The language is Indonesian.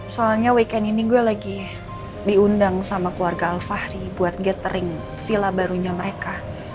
soalnya weekend ini gue lagi diundang sama keluarga alfahri buat gathering villa barunya mereka